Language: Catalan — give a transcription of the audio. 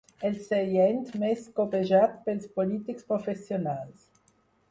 El seient més cobejat pels polítics professionals.